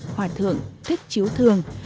hòa thượng thích chiếu thường